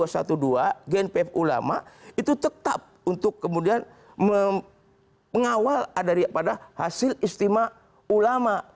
intinya kami dari pa dua ratus dua belas genpef ulama itu tetap untuk kemudian mengawal pada hasil istimewa ulama